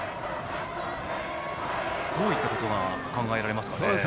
どういったことが考えられますか？